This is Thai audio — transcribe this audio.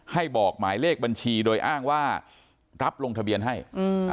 ให้บอกหมายเลขบัญชีโดยอ้างว่ารับลงทะเบียนให้อืม